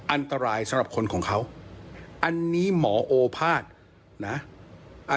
อันตรายสำหรับคนของเขาอันนี้หมอโอภาษณ์นะ